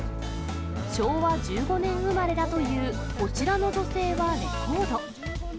昭和１５年生まれだというこちらの女性はレコード。